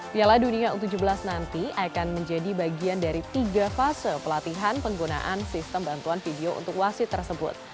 piala dunia u tujuh belas nanti akan menjadi bagian dari tiga fase pelatihan penggunaan sistem bantuan video untuk wasit tersebut